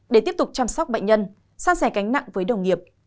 để tiếp tục chăm sóc bệnh nhân san sẻ cánh nặng với đồng nghiệp